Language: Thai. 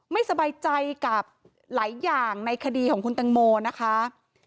ไม่สบายใจกับหลายอย่างในคดีของคุณตังโมนะคะ